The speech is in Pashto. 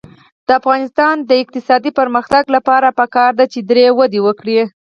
د افغانستان د اقتصادي پرمختګ لپاره پکار ده چې دري وده وکړي.